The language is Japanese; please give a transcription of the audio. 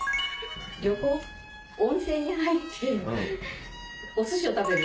旅行温泉に入ってお寿司を食べる。